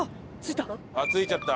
あっ着いちゃった。